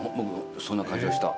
そんな感じがした。